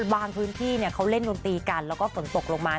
บางพื้นที่เขาเล่นดนตรีกันแล้วก็ฝนตกลงมา